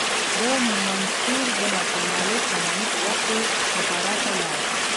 د منصور بن عبدالمالک ساماني په وخت کې بخارا ته لاړ.